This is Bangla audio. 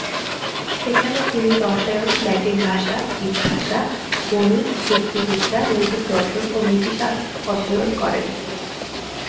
সেখানে তিনি রসায়ন, ল্যাটিন ভাষা, গ্রিক ভাষা, গণিত, যুক্তিবিদ্যা, নৈতিক দর্শন ও নীতিশাস্ত্র অধ্যয়ন করেন।